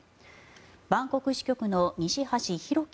バンコク支局の西橋拓輝